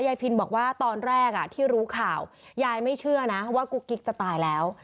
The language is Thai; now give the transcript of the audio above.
พินบอกว่าตอนแรกที่รู้ข่าวยายไม่เชื่อนะว่ากุ๊กกิ๊กจะตายแล้ว